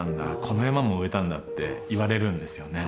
この山も植えたんだって言われるんですよね。